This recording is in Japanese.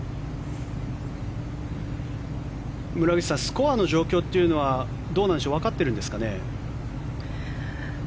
村口さんスコアの状況というのはどうなんでしょうわかっているんですかね。